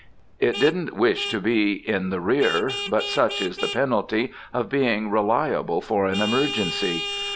It didn't wish to be in the rear; but such is the penalty of being reliable for an emergency.